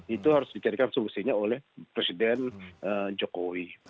itu harus dicarikan solusinya oleh presiden jokowi